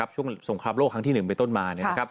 ช่วงสงครามโลกครั้งที่๑ไปต้นมา